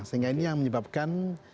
sehingga ini yang menyebabkan